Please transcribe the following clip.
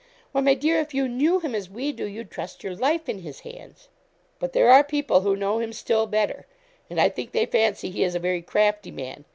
Why, my dear, if you knew him as we do, you'd trust your life in his hands.' 'But there are people who know him still better; and I think they fancy he is a very crafty man.